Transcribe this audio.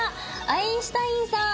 アインシュタインさん！